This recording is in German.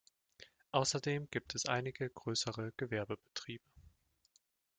Außerdem gibt es einige größere Gewerbebetriebe.